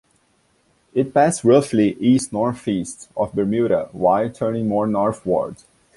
It passed roughly east-northeast of Bermuda while turning more northward.